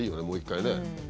もう一回ね。